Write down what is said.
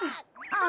あ。